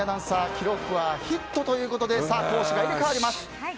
記録はヒットということで攻守が入れ替わります。